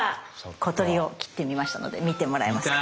小鳥を切ってみましたので見てもらえますか？